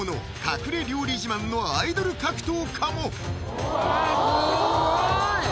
隠れ料理自慢のアイドル格闘家もわスゴい！